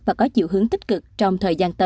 và có chiều hướng tích cực trong thời gian tới